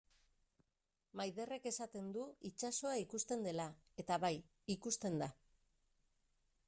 Maiderrek esaten du itsasoa ikusten dela, eta bai, ikusten da.